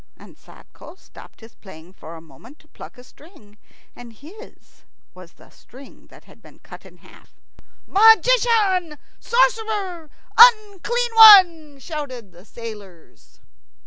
And Sadko stopped his playing for a moment to pluck a string, and his was the string that had been cut in half. "Magician, sorcerer, unclean one!" shouted the sailors.